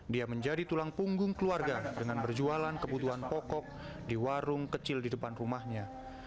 dia menjadi tulang punggung keluarga dengan berjualan kebutuhan pokok di warung kecil di depan rumahnya